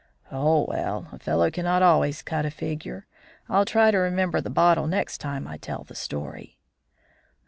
"Oh, well! a fellow cannot always cut a figure. I'll try to remember the bottle next time I tell the story."